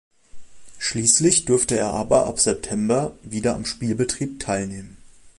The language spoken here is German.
Schließlich durfte er aber ab September wieder am Spielbetrieb teilnehmen.